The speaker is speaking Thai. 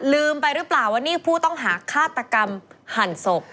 ลืมไปหรือเปล่าว่านี่ผู้ต้องหาฆาตกรรมหั่นศพ